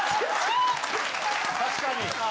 確かに！